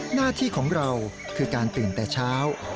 หน้าที่ของเราคือการตื่นแต่เช้า